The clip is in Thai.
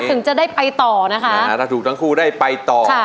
ถึงจะได้ไปต่อนะคะถ้าถูกทั้งคู่ได้ไปต่อ